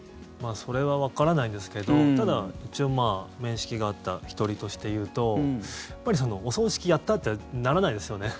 それはわからないですけどただ、一応面識があった１人として言うとやっぱり、お葬式やった！ってならないですよね。